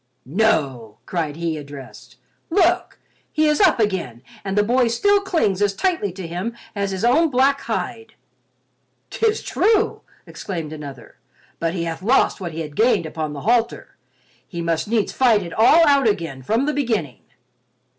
"No!" cried he addressed. "Look! He is up again and the boy still clings as tightly to him as his own black hide." "'Tis true," exclaimed another, "but he hath lost what he had gained upon the halter—he must needs fight it all out again from the beginning."